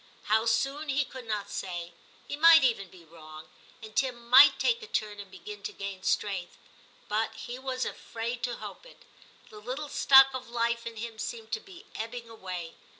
How soon he could not say ; he might even be wrong, and Tim might take a turn and begin to gain strength ; but he was afraid to hope it. The little stock of life in him seemed to be ebbing away.